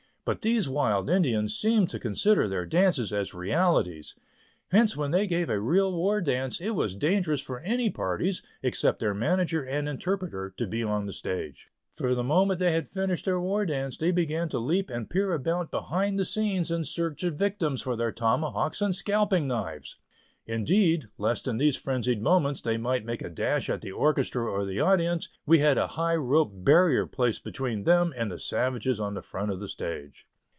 But these wild Indians seemed to consider their dances as realities. Hence when they gave a real War Dance, it was dangerous for any parties, except their manager and interpreter, to be on the stage, for the moment they had finished their war dance, they began to leap and peer about behind the scenes in search of victims for their tomahawks and scalping knives! Indeed, lest in these frenzied moments they might make a dash at the orchestra or the audience, we had a high rope barrier placed between them and the savages on the front of the stage.